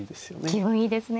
気分いいですね。